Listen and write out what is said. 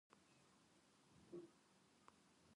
早く終われこの課題